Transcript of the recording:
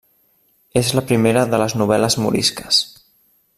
És la primera de les novel·les morisques.